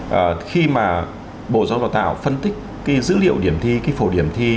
và khi mà bộ giáo dục tạo phân tích cái dữ liệu điểm thi cái phổ điểm thi